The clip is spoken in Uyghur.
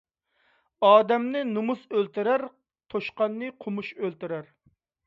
ئادەمنى نومۇس ئۆلتۈرەر، توشقاننى قومۇش ئۆلتۈرەر.